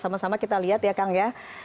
sama sama kita lihat ya kang ya